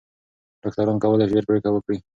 ډاکټران کولی شي ژر پریکړه وکړي.